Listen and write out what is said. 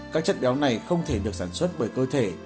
các chất béo này không thể được sản xuất bởi cơ thể